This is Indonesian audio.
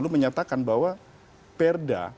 menyatakan bahwa perda